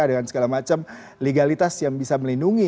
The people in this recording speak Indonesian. dengan segala macam legalitas yang bisa melindungi